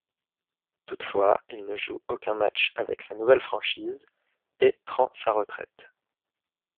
Toutefois, il ne joue aucun match avec sa nouvelle franchise et prend sa retraite.